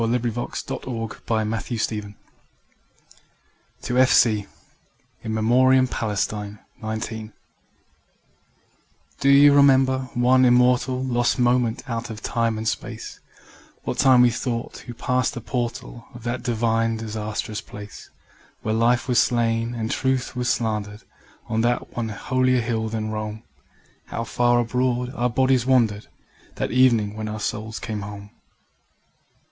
FIRST EDITION 1922 COPYRIGHT TO F. C. IN MEMORIAM PALESTINE, '19 Do you remember one immortal Lost moment out of time and space, What time we thought, who passed the portal Of that divine disastrous place Where Life was slain and Truth was slandered On that one holier hill than Rome, How far abroad our bodies wandered That evening when our souls came home?